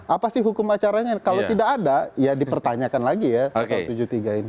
apa sih hukum acaranya kalau tidak ada ya dipertanyakan lagi ya pasal tujuh puluh tiga ini